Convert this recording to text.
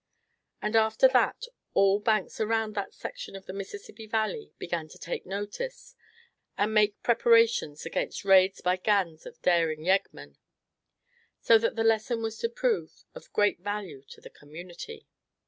And after that all banks around that section of the Mississippi Valley began to take notice, and make preparations against raids by gangs of daring yeggmen; so that the lesson was going to prove of great value to the community.